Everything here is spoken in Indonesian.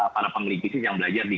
para pemilih bisnis yang belajar di